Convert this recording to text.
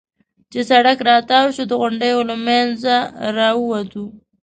چې سړک را تاو شو، د غونډیو له منځه را ووتو.